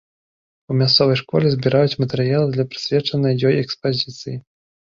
У мясцовай школе збіраюць матэрыялы для прысвечанай ёй экспазіцыі.